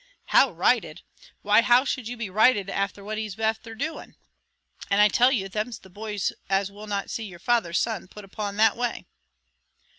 "How righted! why how should you be righted afther what he's afther doing? and I tell you them's the boys as will not see your father's son put upon that way."